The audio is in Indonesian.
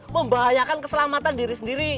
membahayakan keselamatan diri sendiri